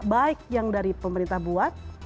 baik yang dari pemerintah buat